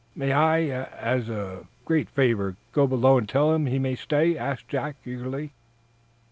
"May I, as a great favor, go below and tell him he may stay?" asked Jack, eagerly.